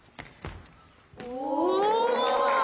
お！